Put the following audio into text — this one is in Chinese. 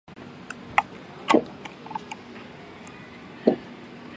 塘南镇是中国江西省南昌市南昌县下辖的一个镇。